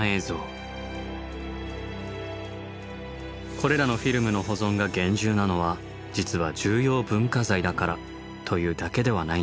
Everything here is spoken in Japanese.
これらのフィルムの保存が厳重なのは実は重要文化財だからというだけではないんです。